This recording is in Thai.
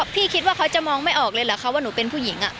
พี่คิดว่าเขาจะมองไม่ออกเลยเหรอคะว่าหนูเป็นผู้หญิง